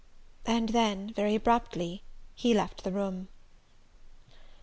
And then, very abruptly, he left the room.